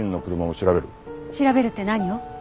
調べるって何を？